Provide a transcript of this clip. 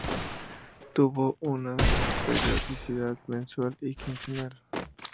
Tuvo una periodicidad mensual y quincenal.